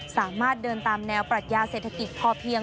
สามารถเดินตามแนวปรัชญาเศรษฐกิจพอเพียง